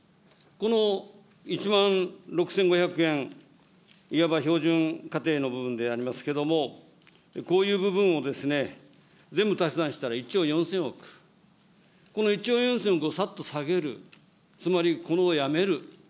この１万６５００円、いわば標準家庭の部分でありますけれども、こういう部分を全部足し算したら１兆４０００億、この１兆４０００億をさっと下げる、つまりこれをやめる。